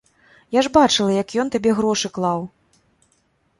Я ж бачыла, як ён табе грошы клаў.